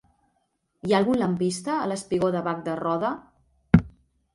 Hi ha algun lampista al espigó de Bac de Roda?